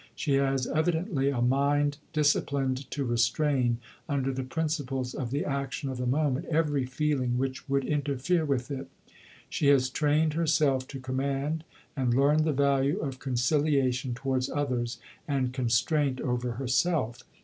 She has evidently a mind disciplined to restrain under the principles of the action of the moment every feeling which would interfere with it. She has trained herself to command, and learned the value of conciliation towards others and constraint over herself.